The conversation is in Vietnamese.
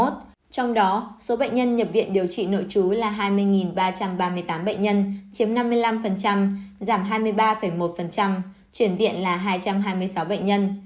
trong đó số bệnh nhân nhập viện điều trị nội trú là hai mươi ba trăm ba mươi tám bệnh nhân chiếm năm mươi năm giảm hai mươi ba một chuyển viện là hai trăm hai mươi sáu bệnh nhân